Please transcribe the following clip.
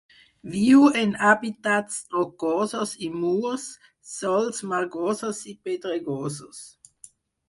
Viu en hàbitats rocosos i murs, sòls margosos i pedregosos.